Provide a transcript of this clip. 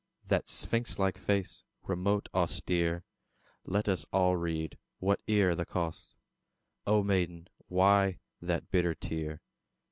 That sphinx like face, remote, austere, Let us all read, whate'er the cost: O Maiden! why that bitter tear?